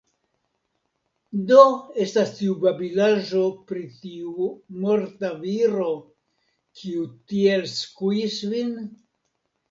Do estas tiu babilaĵo pri tiu morta viro, kiu tiel skuis vin?